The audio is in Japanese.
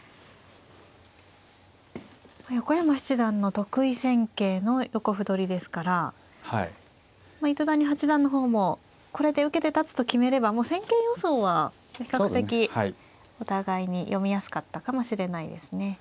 横山七段の得意戦型の横歩取りですから糸谷八段の方もこれで受けて立つと決めればもう戦型予想は比較的お互いに読みやすかったかもしれないですね。